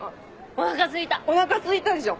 おなかすいたでしょ？